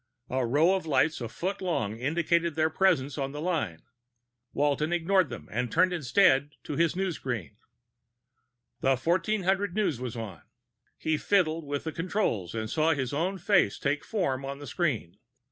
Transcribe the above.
A row of lights a foot long indicated their presence on the line. Walton ignored them and turned instead to his newsscreen. The 1400 news was on. He fiddled with the controls and saw his own face take form on the screen.